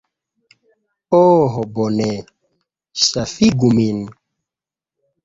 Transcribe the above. Oh bone! Ŝafigu min.